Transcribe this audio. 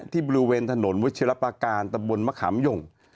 ที่บริเวณถนนวัชิรปาการตะบนมะขามหย่ง